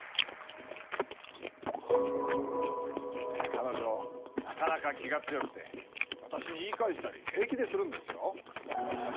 彼女なかなか気が強くて私に言い返したり平気でするんですよ。